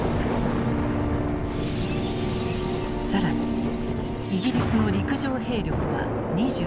更にイギリスの陸上兵力は２６万。